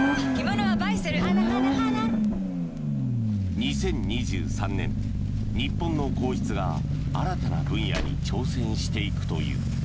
２０２３年、日本の皇室が新たな分野に挑戦していくという。